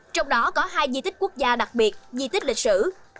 trong đó có hai di tích quốc gia đặc biệt di tích lịch sử